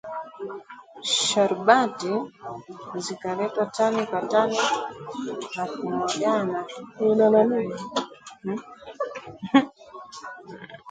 Sharubati zikaletwa tani kwa tani na kumwagwa karaini